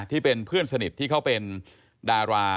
ที่เป็นเพื่อนสนิทที่เขาเป็นดารา